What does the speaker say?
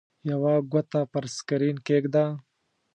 یوه ګوته پر سکرین کېږده.